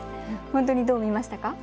どう見ましたか？